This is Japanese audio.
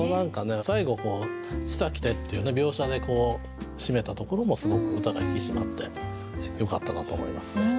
最後「小さき手」っていう描写で締めたところもすごく歌が引き締まってよかったなと思いますね。